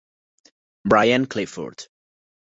Brian Clifford